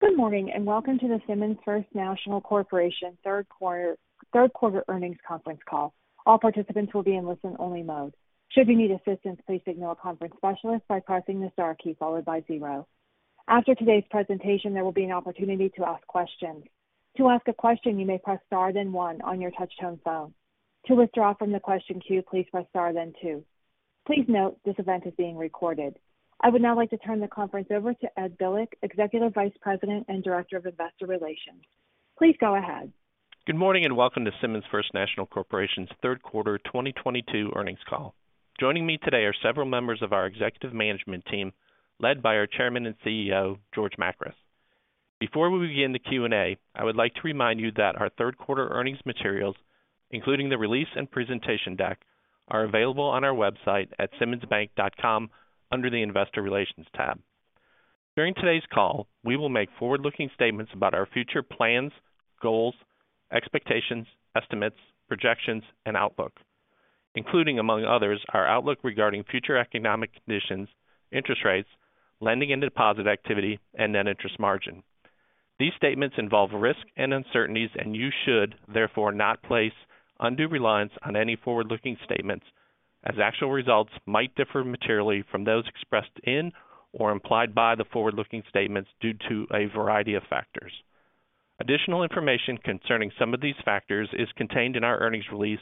Good morning, and welcome to the Simmons First National Corporation third quarter earnings conference call. All participants will be in listen-only mode. Should you need assistance, please signal a conference specialist by pressing the star key followed by zero. After today's presentation, there will be an opportunity to ask questions. To ask a question, you may press star then one on your touch-tone phone. To withdraw from the question queue, please press star then two. Please note this event is being recorded. I would now like to turn the conference over to Ed Bilek, Executive Vice President and Director of Investor Relations. Please go ahead. Good morning, and welcome to Simmons First National Corporation's third quarter 2022 earnings call. Joining me today are several members of our executive management team, led by our Chairman and CEO, George Makris. Before we begin the Q&A, I would like to remind you that our third quarter earnings materials, including the release and presentation deck, are available on our website at simmonsbank.com under the Investor Relations tab. During today's call, we will make forward-looking statements about our future plans, goals, expectations, estimates, projections, and outlook, including, among others, our outlook regarding future economic conditions, interest rates, lending and deposit activity, and net interest margin. These statements involve risks and uncertainties, and you should therefore not place undue reliance on any forward-looking statements as actual results might differ materially from those expressed in or implied by the forward-looking statements due to a variety of factors. Additional information concerning some of these factors is contained in our earnings release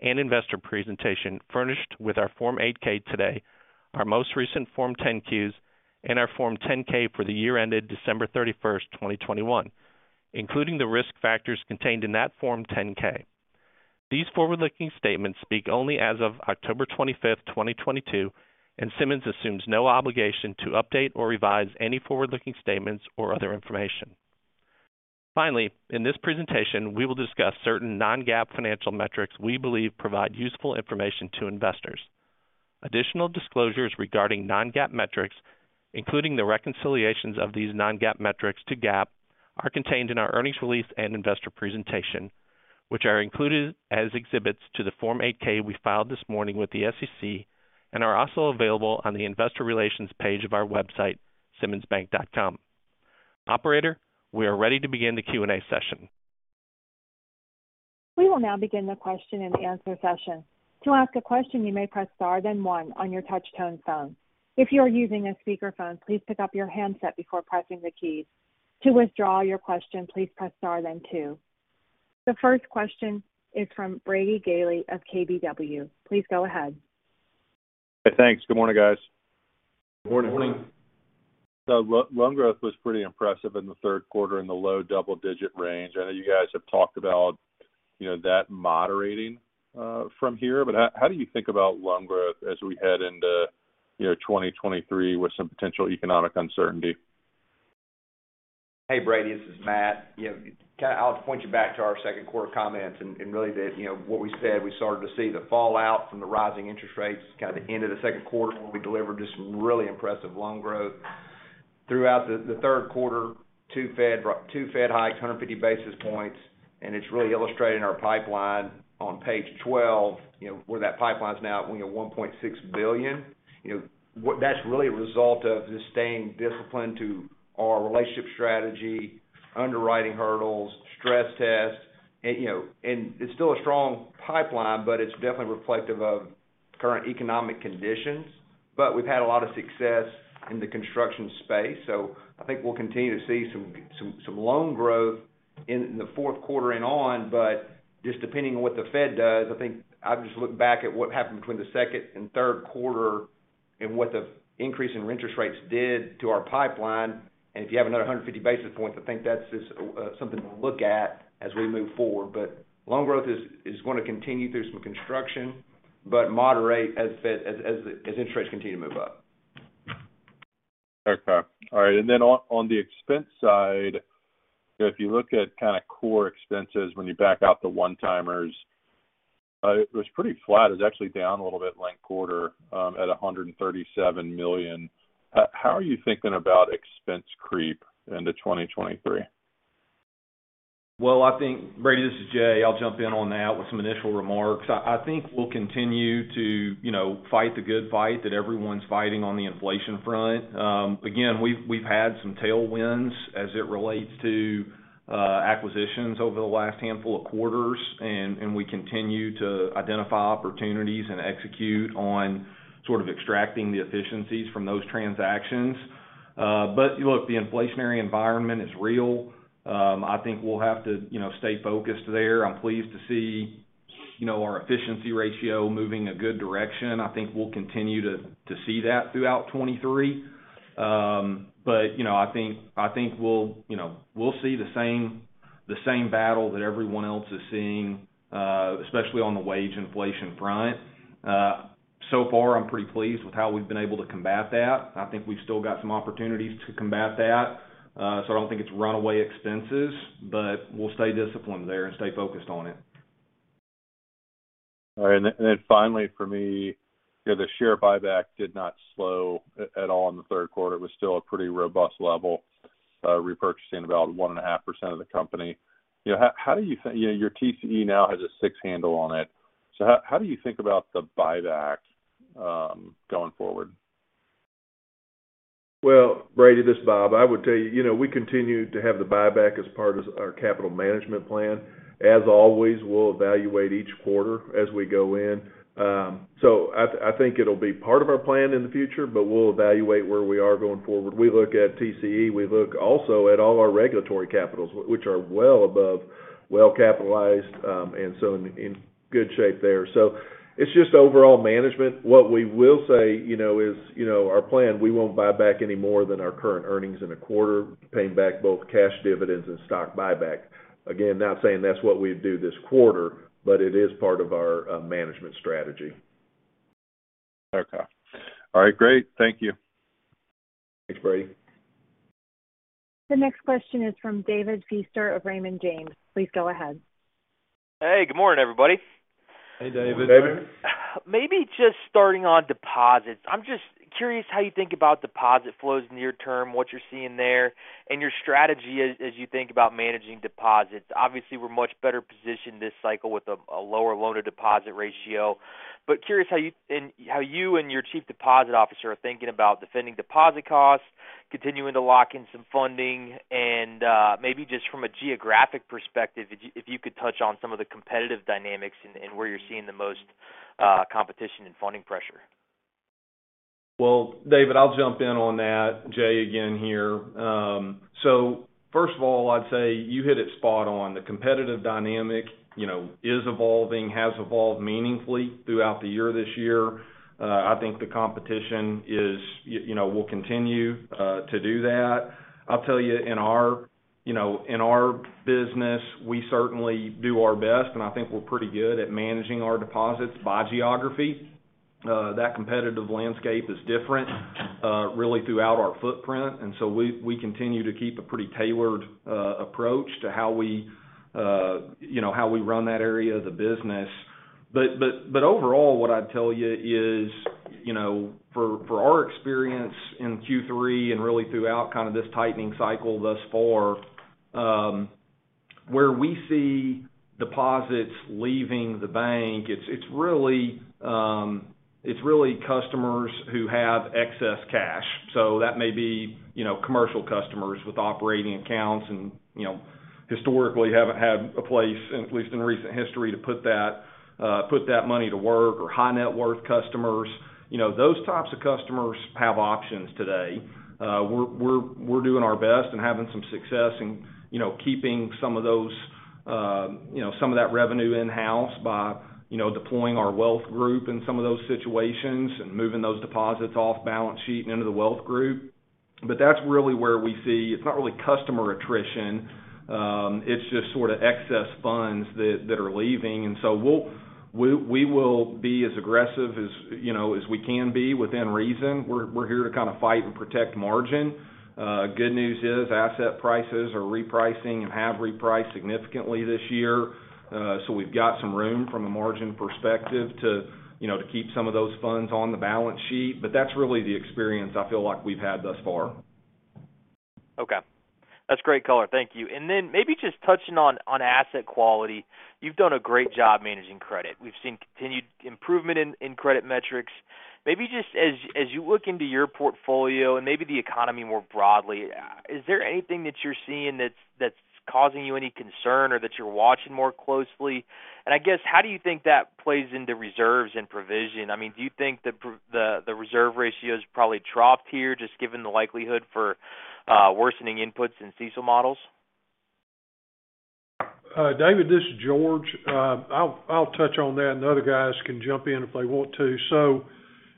and investor presentation furnished with our Form 8-K today, our most recent Form 10-Qs, and our Form 10-K for the year ended December 31, 2021, including the risk factors contained in that Form 10-K. These forward-looking statements speak only as of October 25, 2022, and Simmons assumes no obligation to update or revise any forward-looking statements or other information. Finally, in this presentation, we will discuss certain Non-GAAP financial metrics we believe provide useful information to investors. Additional disclosures regarding Non-GAAP metrics, including the reconciliations of these Non-GAAP metrics to GAAP, are contained in our earnings release and investor presentation, which are included as exhibits to the Form 8-K we filed this morning with the SEC and are also available on the Investor Relations page of our website, simmonsbank.com. Operator, we are ready to begin the Q&A session. We will now begin the question-and-answer session. To ask a question, you may press star then one on your touch-tone phone. If you are using a speakerphone, please pick up your handset before pressing the keys. To withdraw your question, please press star then two. The first question is from Brady Gailey of KBW. Please go ahead. Thanks. Good morning, guys. Good morning. Good morning. Loan growth was pretty impressive in the third quarter in the low double-digit range. I know you guys have talked about, you know, that moderating from here. How do you think about loan growth as we head into, you know, 2023 with some potential economic uncertainty? Hey, Brady, this is Matt. You know, kinda I'll point you back to our second quarter comments and really the, you know, what we said, we started to see the fallout from the rising interest rates kind of the end of the second quarter when we delivered just some really impressive loan growth. Throughout the third quarter, two Fed hikes, 150 basis points, and it's really illustrating our pipeline on page 12, you know, where that pipeline's now at $1.6 billion. You know, that's really a result of staying disciplined to our relationship strategy, underwriting hurdles, stress tests. You know, it's still a strong pipeline, but it's definitely reflective of current economic conditions. We've had a lot of success in the construction space, so I think we'll continue to see some loan growth in the fourth quarter and on. Just depending on what the Fed does, I think I'd just look back at what happened between the second and third quarter and what the increase in interest rates did to our pipeline. If you have another 150 basis points, I think that's just something to look at as we move forward. Loan growth is gonna continue through some construction, but moderate as interest rates continue to move up. On the expense side, if you look at kind of core expenses when you back out the one-timers, it was pretty flat. It was actually down a little bit last quarter, at $137 million. How are you thinking about expense creep into 2023? Well, I think, Brady, this is Jay. I'll jump in on that with some initial remarks. I think we'll continue to, you know, fight the good fight that everyone's fighting on the inflation front. Again, we've had some tailwinds as it relates to acquisitions over the last handful of quarters, and we continue to identify opportunities and execute on sort of extracting the efficiencies from those transactions. Look, the inflationary environment is real. I think we'll have to, you know, stay focused there. I'm pleased to see, you know, our efficiency ratio moving a good direction. I think we'll continue to see that throughout 2023. You know, I think we'll see the same battle that everyone else is seeing, especially on the wage inflation front. So far, I'm pretty pleased with how we've been able to combat that. I think we've still got some opportunities to combat that. I don't think it's runaway expenses, but we'll stay disciplined there and stay focused on it. All right. Finally for me, you know, the share buyback did not slow at all in the third quarter. It was still a pretty robust level, repurchasing about 1.5% of the company. You know, how do you think, you know, your TCE now has a six handle on it. How do you think about the buyback? Going forward. Well, Brady Gailey, this is Bob. I would tell you know, we continue to have the buyback as part of our capital management plan. As always, we'll evaluate each quarter as we go in. I think it'll be part of our plan in the future, but we'll evaluate where we are going forward. We look at TCE. We look also at all our regulatory capitals, which are well above well capitalized, and in good shape there. It's just overall management. What we will say, you know, is, you know, our plan, we won't buy back any more than our current earnings in a quarter, paying back both cash dividends and stock buyback. Again, not saying that's what we'd do this quarter, but it is part of our management strategy. Okay. All right, great. Thank you. Thanks, Brady. The next question is from David Feaster of Raymond James. Please go ahead. Hey, good morning, everybody. Hey, David. Good morning, David. Maybe just starting on deposits. I'm just curious how you think about deposit flows near term, what you're seeing there, and your strategy as you think about managing deposits. Obviously, we're much better positioned this cycle with a lower loan-to-deposit ratio. Curious how you and how you and your chief deposit officer are thinking about defending deposit costs, continuing to lock in some funding, and maybe just from a geographic perspective, if you could touch on some of the competitive dynamics and where you're seeing the most competition and funding pressure. Well, David, I'll jump in on that. Jay again here. So first of all, I'd say you hit it spot on. The competitive dynamic, you know, is evolving, has evolved meaningfully throughout the year this year. I think the competition is, you know, will continue to do that. I'll tell you in our, you know, in our business, we certainly do our best, and I think we're pretty good at managing our deposits by geography. That competitive landscape is different really throughout our footprint, and so we continue to keep a pretty tailored approach to how we you know how we run that area of the business. Overall, what I'd tell you is, you know, for our experience in Q3 and really throughout kind of this tightening cycle thus far, where we see deposits leaving the bank, it's really customers who have excess cash. That may be, you know, commercial customers with operating accounts and, you know, historically haven't had a place, at least in recent history, to put that money to work or high-net-worth customers. You know, those types of customers have options today. We're doing our best and having some success in, you know, keeping some of those, you know, some of that revenue in-house by, you know, deploying our wealth group in some of those situations and moving those deposits off balance sheet and into the wealth group. That's really where we see it's not really customer attrition, it's just sort of excess funds that are leaving. We'll be as aggressive as, you know, as we can be within reason. We're here to kind of fight and protect margin. Good news is asset prices are repricing and have repriced significantly this year. We've got some room from a margin perspective to, you know, to keep some of those funds on the balance sheet. That's really the experience I feel like we've had thus far. Okay. That's great color. Thank you. Maybe just touching on asset quality, you've done a great job managing credit. We've seen continued improvement in credit metrics. Maybe just as you look into your portfolio and maybe the economy more broadly, is there anything that you're seeing that's causing you any concern or that you're watching more closely? I guess, how do you think that plays into reserves and provision? I mean, do you think the reserve ratio has probably troughed here, just given the likelihood for worsening inputs in CECL models? David, this is George. I'll touch on that and the other guys can jump in if they want to.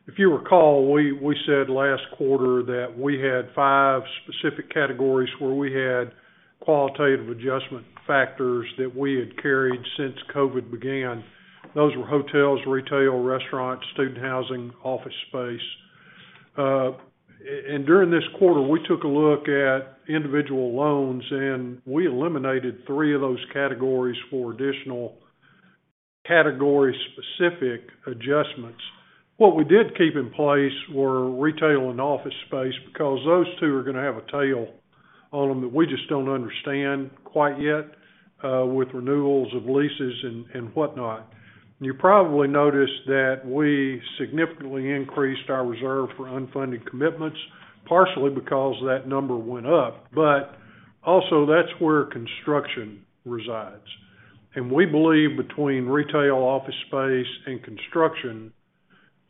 If you recall, we said last quarter that we had five specific categories where we had qualitative adjustment factors that we had carried since COVID began. Those were hotels, retail, restaurants, student housing, office space. During this quarter, we took a look at individual loans, and we eliminated three of those categories for additional category-specific adjustments. What we did keep in place were retail and office space because those two are going to have a tail on them that we just don't understand quite yet, with renewals of leases and whatnot. You probably noticed that we significantly increased our reserve for unfunded commitments, partially because that number went up, but also that's where construction resides. We believe between retail, office space, and construction,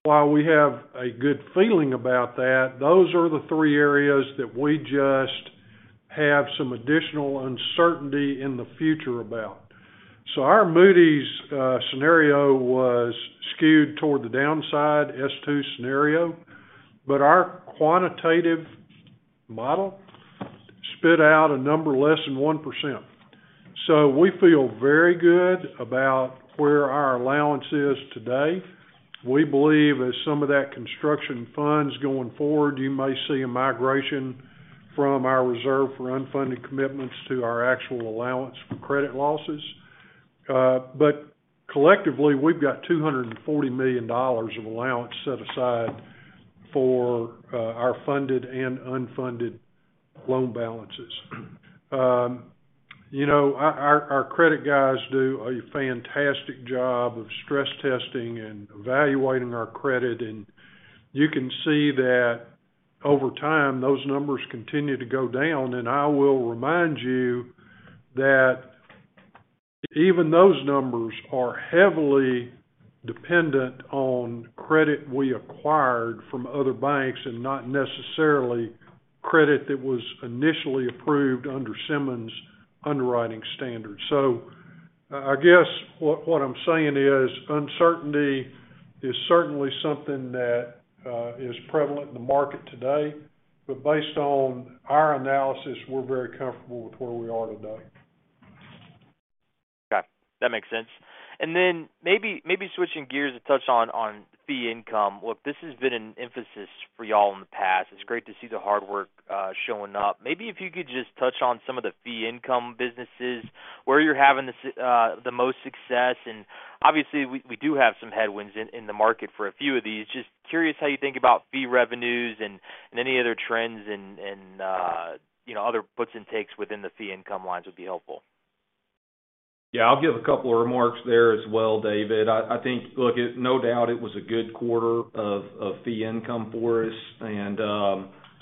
while we have a good feeling about that, those are the three areas that we just have some additional uncertainty in the future about. Our Moody's scenario was skewed toward the downside S2 scenario, but our quantitative model spit out a number less than 1%. We feel very good about where our allowance is today. We believe as some of that construction funds going forward, you may see a migration from our reserve for unfunded commitments to our actual allowance for credit losses. But collectively, we've got $240 million of allowance set aside for our funded and unfunded loan balances. You know, our credit guys do a fantastic job of stress testing and evaluating our credit, and you can see that over time, those numbers continue to go down. I will remind you that even those numbers are heavily dependent on credit we acquired from other banks and not necessarily credit that was initially approved under Simmons' underwriting standards. I guess what I'm saying is uncertainty is certainly something that is prevalent in the market today, but based on our analysis, we're very comfortable with where we are today. Okay. That makes sense. Maybe switching gears to touch on fee income. Look, this has been an emphasis for y'all in the past. It's great to see the hard work showing up. Maybe if you could just touch on some of the fee income businesses, where you're having the most success and obviously we do have some headwinds in the market for a few of these. Just curious how you think about fee revenues and any other trends and you know, other puts and takes within the fee income lines would be helpful. Yeah, I'll give a couple of remarks there as well, David. I think, look, no doubt it was a good quarter of fee income for us, and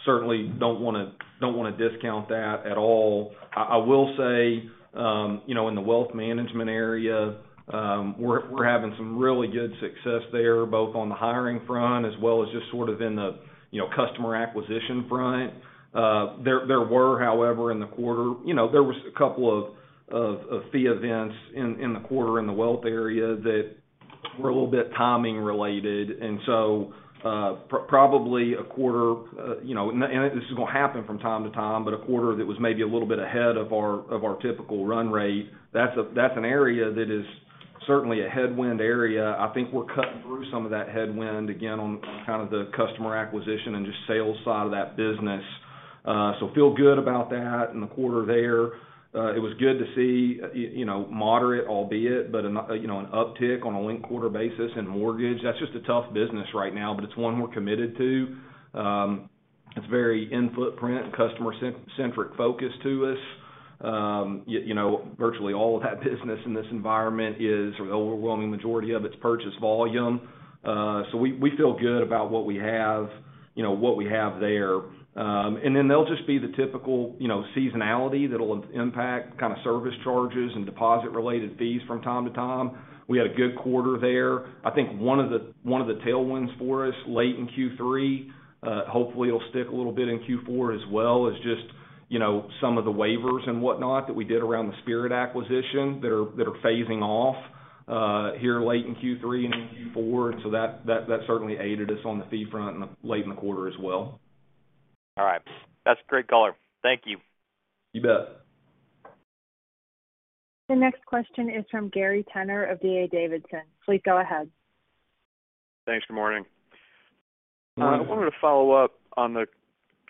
certainly don't wanna discount that at all. I will say, you know, in the wealth management area, we're having some really good success there, both on the hiring front as well as just sort of in the customer acquisition front. There were, however, in the quarter, you know, there was a couple of fee events in the quarter in the wealth area that were a little bit timing related. Probably a quarter, you know, and this is gonna happen from time to time, but a quarter that was maybe a little bit ahead of our typical run rate. That's an area that is certainly a headwind area. I think we're cutting through some of that headwind again on kind of the customer acquisition and just sales side of that business. Feel good about that in the quarter there. It was good to see, you know, moderate albeit, but an uptick on a linked quarter basis in mortgage. That's just a tough business right now, but it's one we're committed to. It's very in footprint, customer-centric focus to us. You know, virtually all of that business in this environment is, or the overwhelming majority of it's purchase volume. We feel good about what we have, you know, what we have there. There'll just be the typical, you know, seasonality that'll impact kind of service charges and deposit related fees from time to time. We had a good quarter there. I think one of the tailwinds for us late in Q3, hopefully it'll stick a little bit in Q4 as well, is just, you know, some of the waivers and whatnot that we did around the Spirit acquisition that are phasing off here late in Q3 and in Q4. That certainly aided us on the fee front late in the quarter as well. All right. That's a great color. Thank you. You bet. The next question is from Gary Tenner of D.A. Davidson. Please go ahead. Thanks. Good morning. Good morning. I wanted to follow up on the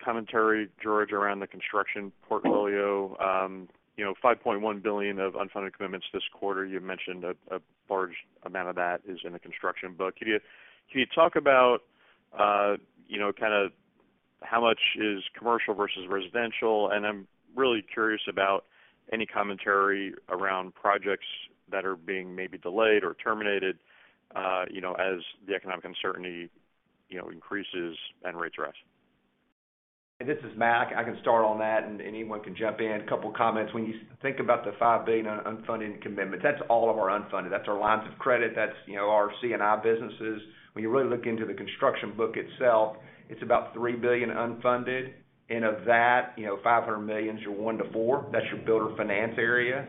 commentary, George, around the construction portfolio. You know, $5.1 billion of unfunded commitments this quarter. You had mentioned a large amount of that is in the construction book. Could you talk about, you know, kind of how much is commercial versus residential? I'm really curious about any commentary around projects that are being maybe delayed or terminated, you know, as the economic uncertainty, you know, increases and rates rise. This is Matt. I can start on that and anyone can jump in. A couple comments. When you think about the $5 billion on unfunded commitments, that's all of our unfunded. That's our lines of credit. That's, you know, our C&I businesses. When you really look into the construction book itself, it's about $3 billion unfunded. Of that, you know, $500 million is your one to four, that's your builder finance area.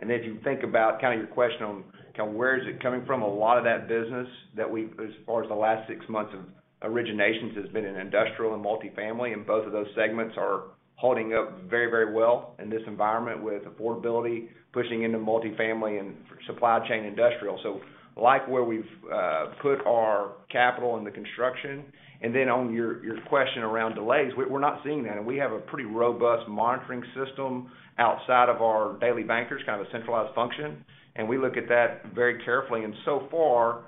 Then if you think about kind of your question on kind of where is it coming from, a lot of that business that we've as far as the last six months of originations has been in industrial and multifamily, and both of those segments are holding up very, very well in this environment with affordability pushing into multifamily and supply chain industrial. Like where we've put our capital in the construction. On your question around delays, we're not seeing that. We have a pretty robust monitoring system outside of our daily bankers, kind of a centralized function, and we look at that very carefully. So far,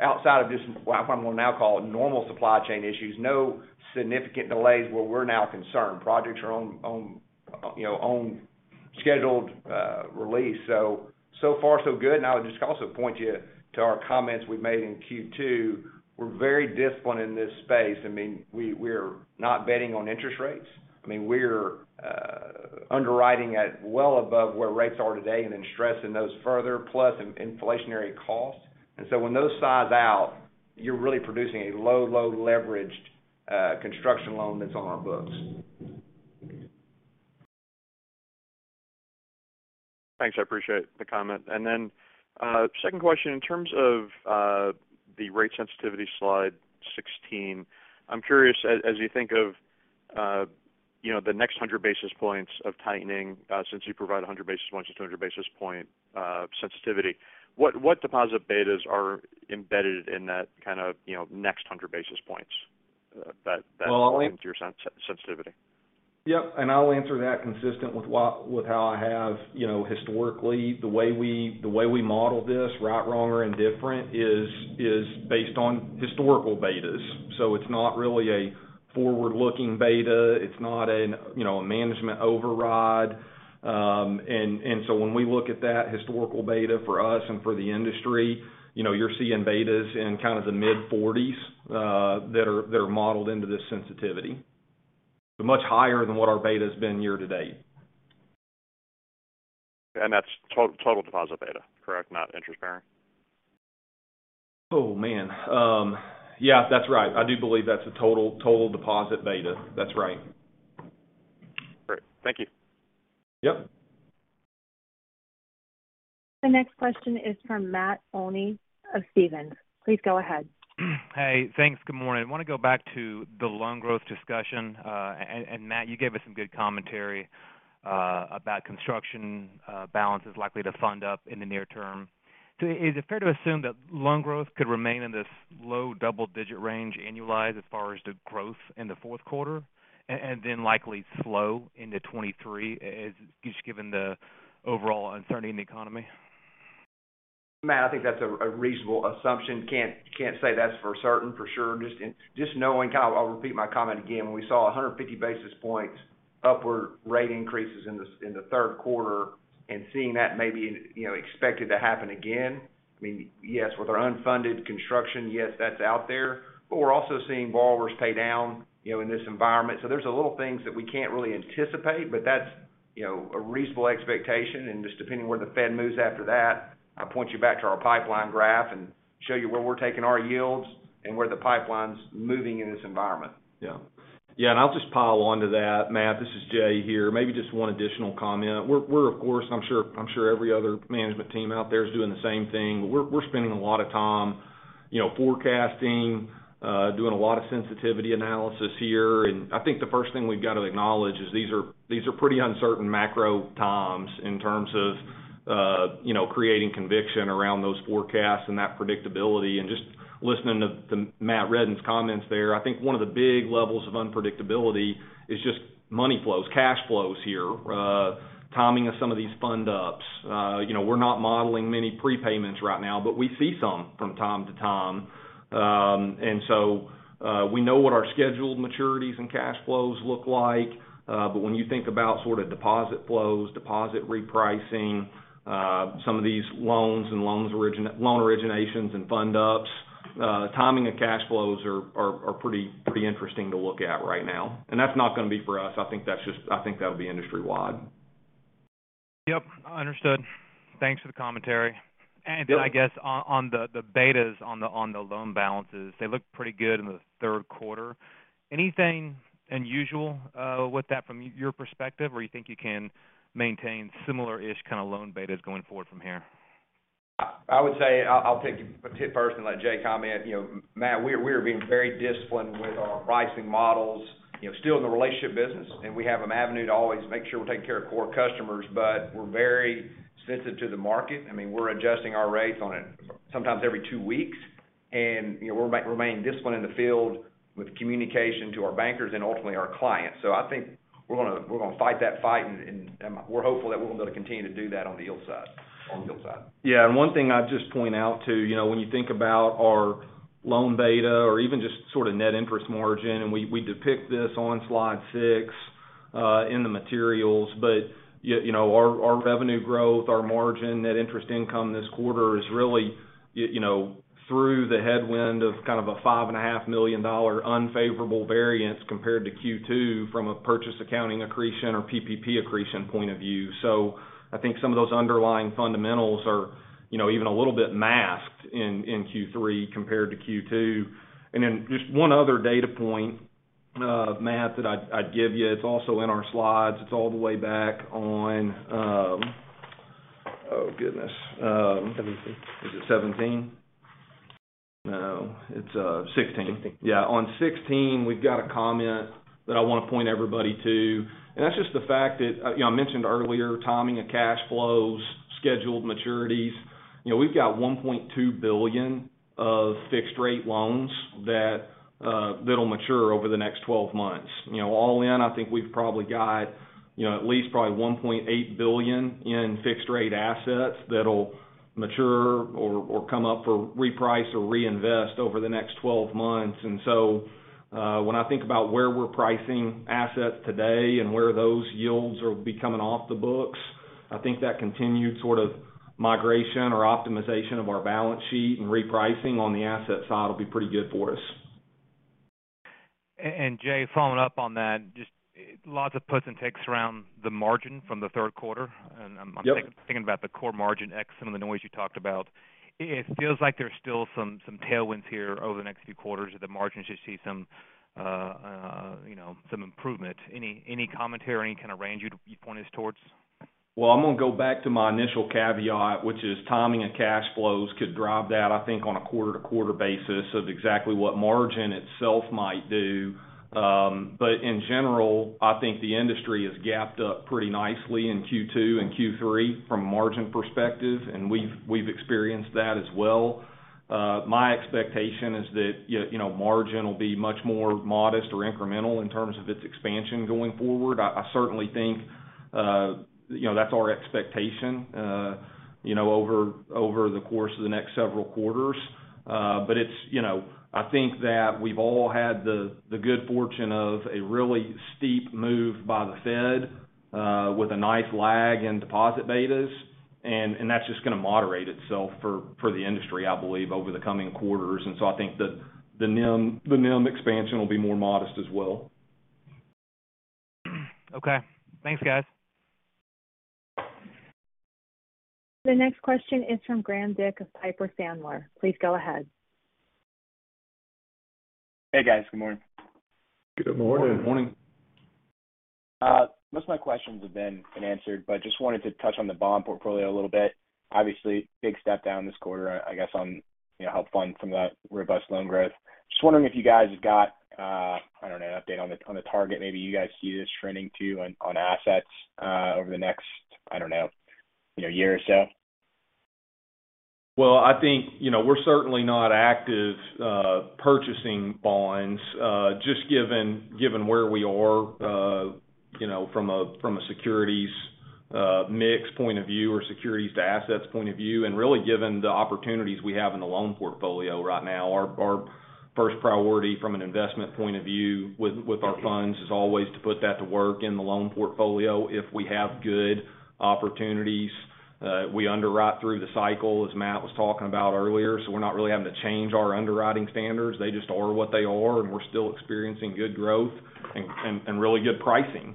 outside of this, what I'm gonna now call normal supply chain issues, no significant delays where we're now concerned. Projects are on, you know, on schedule for release. So far so good. I would just also point you to our comments we made in Q2. We're very disciplined in this space. I mean, we're not betting on interest rates. I mean, we're underwriting at well above where rates are today and then stressing those further plus inflationary costs. When those size out, you're really producing a low leveraged construction loan that's on our books. Thanks. I appreciate the comment. Second question, in terms of the rate sensitivity slide 16, I'm curious, as you think of, you know, the next 100 basis points of tightening, since you provide 100 basis points to 200 basis point sensitivity, what deposit betas are embedded in that kind of, you know, next 100 basis points? Well, I'll go into your sensitivity. Yep. I'll answer that consistent with how I have, you know, historically, the way we model this, right, wrong or indifferent, is based on historical betas. It's not really a forward-looking beta, it's not, you know, a management override. When we look at that historical beta for us and for the industry, you know, you're seeing betas in kind of the mid-40s that are modeled into this sensitivity. Much higher than what our beta has been year-to-date. That's total deposit beta, correct? Not interest bearing. Yeah, that's right. I do believe that's a total deposit beta. That's right. Great. Thank you. Yep. The next question is from Matt Olney of Stephens. Please go ahead. Hey, thanks. Good morning. I wanna go back to the loan growth discussion. Matt, you gave us some good commentary about construction balances likely to fund up in the near term. Is it fair to assume that loan growth could remain in this low double-digit range annualized as far as the growth in the fourth quarter, and then likely slow into 2023 as just given the overall uncertainty in the economy? Matt, I think that's a reasonable assumption. Can't say that's for certain, for sure. Just knowing, kind of. I'll repeat my comment again. When we saw 150 basis points upward rate increases in the third quarter and seeing that maybe, you know, expected to happen again, I mean, yes, with our unfunded construction, yes, that's out there. But we're also seeing borrowers pay down, you know, in this environment. So there's a lot of things that we can't really anticipate, but that's, you know, a reasonable expectation. Just depending where the Fed moves after that, I point you back to our pipeline graph and show you where we're taking our yields and where the pipeline's moving in this environment. Yeah. Yeah, and I'll just pile on to that, Matt. This is Jay here. Maybe just one additional comment. We're of course, I'm sure every other management team out there is doing the same thing. We're spending a lot of time, you know, forecasting, doing a lot of sensitivity analysis here. I think the first thing we've got to acknowledge is these are pretty uncertain macro times in terms of, you know, creating conviction around those forecasts and that predictability. Just listening to Matt Reddin's comments there, I think one of the big levels of unpredictability is just money flows, cash flows here, timing of some of these fund ups. You know, we're not modeling many prepayments right now, but we see some from time to time. We know what our scheduled maturities and cash flows look like, but when you think about sort of deposit flows, deposit repricing, some of these loans and loan originations and fundings, timing of cash flows are pretty interesting to look at right now. That's not gonna be for us. I think that'll be industry-wide. Yep. Understood. Thanks for the commentary. Yep. I guess on the betas on the loan balances, they look pretty good in the third quarter. Anything unusual with that from your perspective, or you think you can maintain similar-ish kind of loan betas going forward from here? I would say, I'll take it first and let Jay comment. You know, Matt, we are being very disciplined with our pricing models, you know, still in the relationship business, and we have an avenue to always make sure we're taking care of core customers, but we're very sensitive to the market. I mean, we're adjusting our rates on it sometimes every two weeks. You know, we're remaining disciplined in the field with communication to our bankers and ultimately our clients. I think we're gonna fight that fight and we're hopeful that we're gonna be able to continue to do that on the yield side. On the yield side. Yeah. One thing I'd just point out, too, you know, when you think about our loan beta or even just sort of net interest margin, and we depict this on slide 6 in the materials. You know, our revenue growth, our margin, net interest income this quarter is really you know, through the headwind of kind of a $5.5 million unfavorable variance compared to Q2 from a purchase accounting accretion or PPP accretion point of view. I think some of those underlying fundamentals are, you know, even a little bit masked in Q3 compared to Q2. Just one other data point, Matt, that I'd give you, it's also in our slides. It's all the way back on sixteen. On 16, we've got a comment that I wanna point everybody to. That's just the fact that, you know, I mentioned earlier timing of cash flows, scheduled maturities. You know, we've got $1.2 billion of fixed rate loans that'll mature over the next 12 months. You know, all in, I think we've probably got, you know, at least probably $1.8 billion in fixed rate assets that'll mature or come up for reprice or reinvest over the next 12 months. When I think about where we're pricing assets today and where those yields will be coming off the books, I think that continued sort of migration or optimization of our balance sheet and repricing on the asset side will be pretty good for us. Jay, following up on that, just lots of puts and takes around the margin from the third quarter. Yep. Thinking about the core margin, ex some of the noise you talked about. It feels like there's still some tailwinds here over the next few quarters of the margins. You see some you know, some improvement. Any commentary, any kind of range you'd point us towards? Well, I'm gonna go back to my initial caveat, which is timing of cash flows could drive that, I think, on a quarter-to-quarter basis of exactly what margin itself might do. In general, I think the industry has gapped up pretty nicely in Q2 and Q3 from a margin perspective, and we've experienced that as well. My expectation is that, you know, margin will be much more modest or incremental in terms of its expansion going forward. I certainly think, you know, that's our expectation, you know, over the course of the next several quarters. It's, you know, I think that we've all had the good fortune of a really steep move by the Fed, with a nice lag in deposit betas, and that's just gonna moderate itself for the industry, I believe, over the coming quarters. I think the NIM expansion will be more modest as well. Okay. Thanks, guys. The next question is from Graham Dick of Piper Sandler. Please go ahead. Hey, guys. Good morning. Good morning. Good morning. Most of my questions have been answered, but just wanted to touch on the bond portfolio a little bit. Obviously, big step down this quarter, I guess, on, you know, help fund some of that robust loan growth. Just wondering if you guys got, I don't know, an update on the target, maybe you guys see this trending too on assets over the next, I don't know, you know, year or so. Well, I think, you know, we're certainly not active purchasing bonds just given where we are, you know, from a securities mix point of view or securities to assets point of view, and really given the opportunities we have in the loan portfolio right now. Our first priority from an investment point of view with our funds is always to put that to work in the loan portfolio if we have good opportunities. We underwrite through the cycle, as Matt was talking about earlier, so we're not really having to change our underwriting standards. They just are what they are, and we're still experiencing good growth and really good pricing.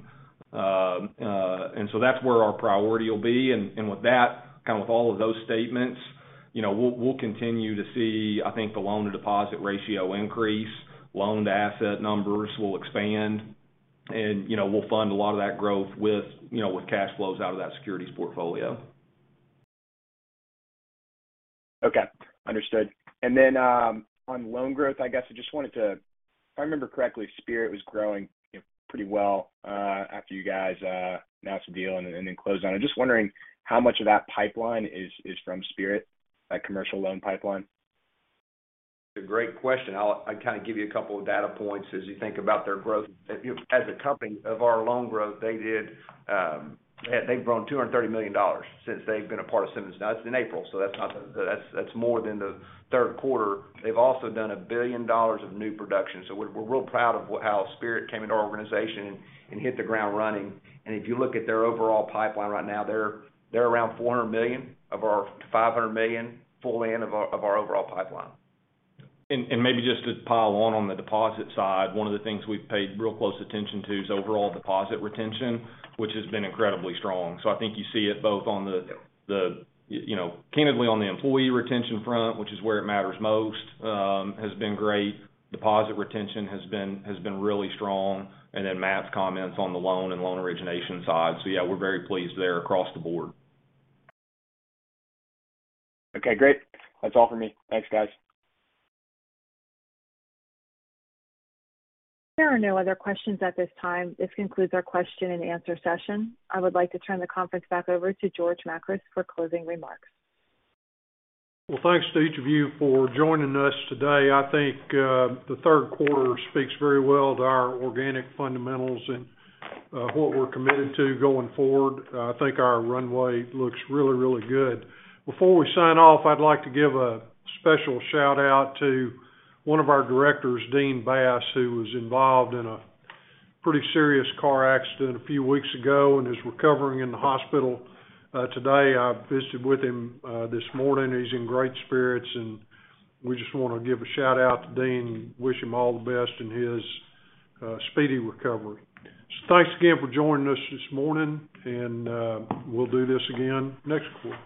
That's where our priority will be. With that, kind of with all of those statements, you know, we'll continue to see, I think, the loan-to-deposit ratio increase, loan-to-asset numbers will expand and, you know, we'll fund a lot of that growth with, you know, with cash flows out of that securities portfolio. Okay. Understood. On loan growth, if I remember correctly, Spirit was growing, you know, pretty well after you guys announced the deal and then closed on it. Just wondering how much of that pipeline is from Spirit, that commercial loan pipeline. It's a great question. I'll kind of give you a couple of data points as you think about their growth. As a component of our loan growth, they've grown $230 million since they've been a part of Simmons. Now that's in April, so that's more than the third quarter. They've also done $1 billion of new production. We're real proud of how Spirit came into our organization and hit the ground running. If you look at their overall pipeline right now, they're around $400 million out of our $500 million overall pipeline. Maybe just to pile on on the deposit side, one of the things we've paid real close attention to is overall deposit retention, which has been incredibly strong. I think you see it both on the, you know, candidly on the employee retention front, which is where it matters most, has been great. Deposit retention has been really strong. Then Matt's comments on the loan origination side. Yeah, we're very pleased there across the board. Okay, great. That's all for me. Thanks, guys. There are no other questions at this time. This concludes our question and answer session. I would like to turn the conference back over to George Makris for closing remarks. Well, thanks to each of you for joining us today. I think the third quarter speaks very well to our organic fundamentals and what we're committed to going forward. I think our runway looks really, really good. Before we sign off, I'd like to give a special shout-out to one of our directors, Dean Bass, who was involved in a pretty serious car accident a few weeks ago and is recovering in the hospital today. I visited with him this morning. He's in great spirits, and we just wanna give a shout-out to Dean and wish him all the best in his speedy recovery. Thanks again for joining us this morning, and we'll do this again next quarter.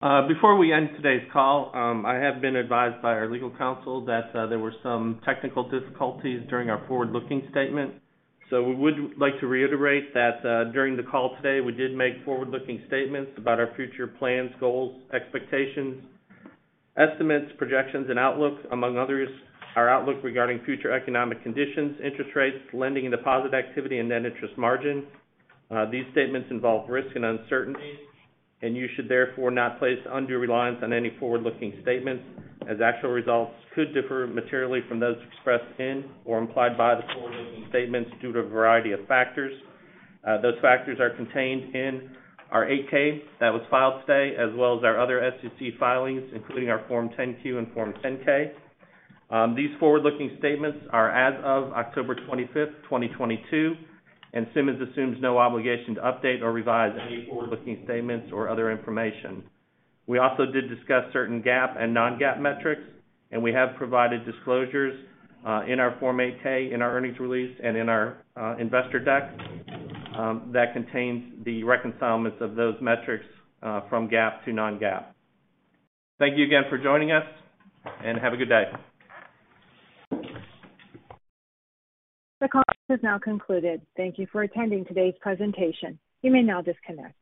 Before we end today's call, I have been advised by our legal counsel that there were some technical difficulties during our forward-looking statement. We would like to reiterate that during the call today, we did make forward-looking statements about our future plans, goals, expectations, estimates, projections, and outlook, among others, our outlook regarding future economic conditions, interest rates, lending and deposit activity, and net interest margin. These statements involve risk and uncertainty, and you should therefore not place undue reliance on any forward-looking statements as actual results could differ materially from those expressed in or implied by the forward-looking statements due to a variety of factors. Those factors are contained in our 8-K that was filed today, as well as our other SEC filings, including our Form 10-Q and Form 10-K. These forward-looking statements are as of October 25, 2022, and Simmons assumes no obligation to update or revise any forward-looking statements or other information. We also did discuss certain GAAP and Non-GAAP metrics, and we have provided disclosures in our Form 8-K, in our earnings release, and in our investor deck that contains the reconciliations of those metrics from GAAP to Non-GAAP. Thank you again for joining us, and have a good day. The conference has now concluded. Thank you for attending today's presentation. You may now disconnect.